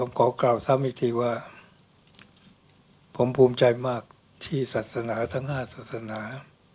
ผมขอกล่าวซ้ำอีกทีว่าผมภูมิใจมากที่ศาสนาทั้ง๕ศาสนา